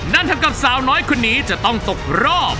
นั่นทำกับสาวน้อยคนนี้จะต้องตกรอบ